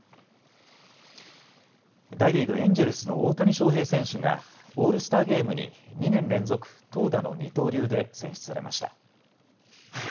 大リーグ、エンジェルスの大谷翔平選手がオールスターゲームに２年連続投打の二刀流で選出されました。